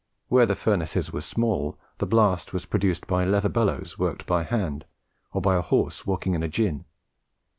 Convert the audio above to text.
Where the furnaces were small, the blast was produced by leather bellows worked by hand, or by a horse walking in a gin.